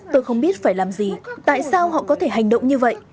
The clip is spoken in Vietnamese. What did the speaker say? tôi không biết phải làm gì tại sao họ có thể hành động như vậy